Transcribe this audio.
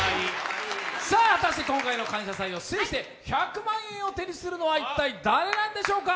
果たして今回の「感謝祭」を制して１００万円を手にするのは一体誰なんでしょうか。